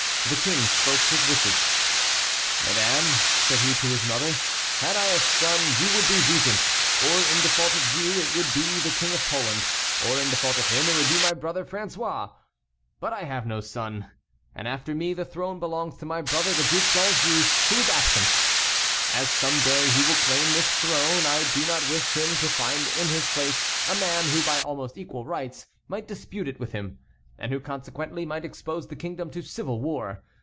The King spoke his wishes: "Madame," said he to his mother, "had I a son, you would be regent, or in default of you it would be the King of Poland; or in default of him it would be my brother François; but I have no son, and after me the throne belongs to my brother the Duc d'Anjou, who is absent. As some day he will claim this throne I do not wish him to find in his place a man who by almost equal rights might dispute it with him, and who consequently might expose the kingdom to civil war.